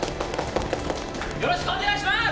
よろしくお願いします！